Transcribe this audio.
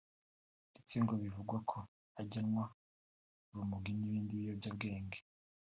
ndetse ngo bivugwa ko ajya anywa urumogi n’ibindi biyobyabwenge